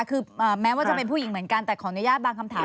คือแม้ว่าจะเป็นผู้หญิงเหมือนกันแต่ขออนุญาตบางคำถาม